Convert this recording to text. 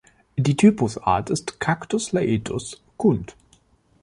Die Typusart ist "Cactus laetus" Kunth.